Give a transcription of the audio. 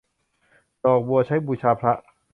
ดอกบัวใช้บูชาพระ